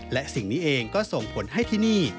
และสิ่งนี้เองก็ส่งผลให้ที่นี่